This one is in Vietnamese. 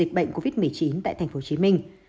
dịch bệnh covid một mươi chín tại tp hcm